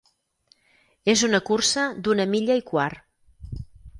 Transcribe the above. Era una cursa d'una milla i quart.